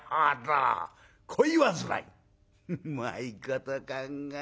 うまいこと考えますね。